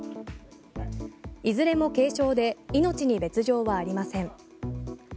いずれも軽傷で命に別状はありません。